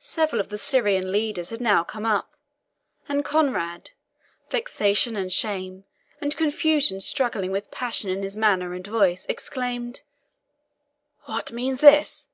Several of the Syrian leaders had now come up, and Conrade vexation, and shame, and confusion struggling with passion in his manner and voice exclaimed, "What means this?